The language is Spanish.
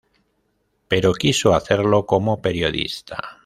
Pero quiso hacerlo como periodista.